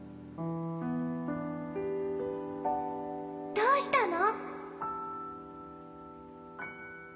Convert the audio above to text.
どうしたの？